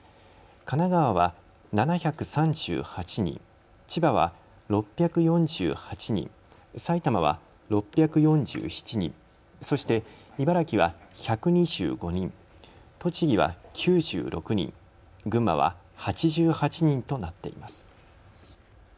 神奈川は７３８人、千葉は６４８人、埼玉は６４７人、そして茨城は１２５人、栃木は９６人、群馬は８８人となっています。